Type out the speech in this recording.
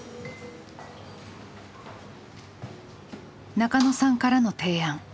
中野さんからの提案。